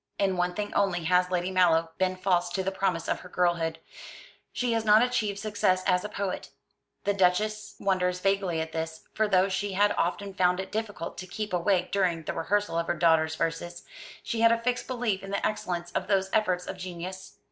In one thing only has Lady Mallow been false to the promise of her girlhood. She has not achieved success as a poet. The Duchess wonders vaguely at this, for though she had often found it difficult to keep awake during the rehearsal of her daughter's verses, she had a fixed belief in the excellence of those efforts of genius.